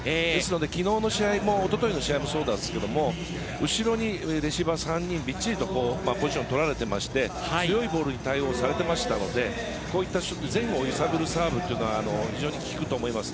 昨日の試合も一昨日の試合もそうですけど後ろにレシーバー３人がポジション取られていて強いボールに対応されていましたのでこういった前後を揺さぶるサーブが非常に効くと思います。